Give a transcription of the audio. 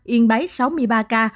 yên báy sáu mươi ba ca